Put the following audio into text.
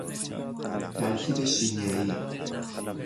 ترکیب شیمیایی